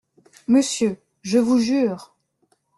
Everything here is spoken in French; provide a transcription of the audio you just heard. Monsieur… je vous jure…